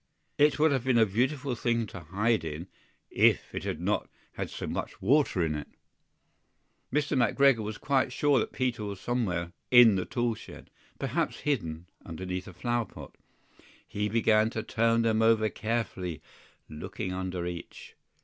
It would have been a beautiful thing to hide in, if it had not had so much water in it. MR. McGREGOR was quite sure that Peter was somewhere in the toolshed, perhaps hidden underneath a flower pot. He began to turn them over carefully, looking under each.